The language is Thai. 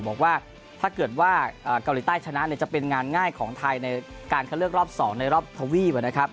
บอกว่าถ้าเกิดว่าเกาหลีใต้ชนะเนี่ยจะเป็นงานง่ายของไทยในการคัดเลือกรอบ๒ในรอบทวีปนะครับ